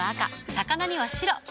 魚には白。